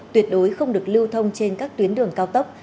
tuyệt đối không được lưu thông trên các tuyến đường cao tốc